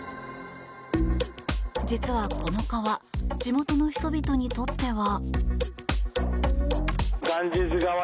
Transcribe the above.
実は、この川地元の人々にとっては。